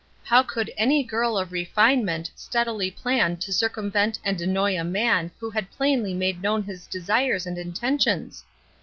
How could any girl of refinement steadily plan to circumvent and annoy a man who had plainly made known his desires and intentions